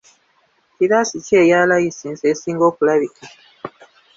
Kiraasi ki eya layisinsi esinga okulabika?